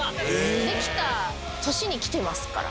できた年に来てますから。